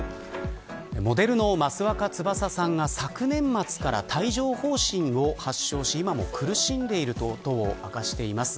モデルの益若つばささんが昨年末から帯状疱疹を発症し、今も苦しんでいることを明かしています。